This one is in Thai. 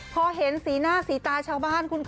พอเห็นสีหน้าสีตาชาวบ้านคุณคะ